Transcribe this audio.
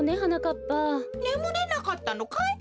ねむれなかったのかい？